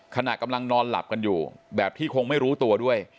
ขณะกำลังนอนหลับกันอยู่แบบที่คงไม่รู้ตัวด้วย